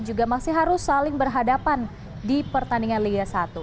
juga masih harus saling berhadapan di pertandingan liga satu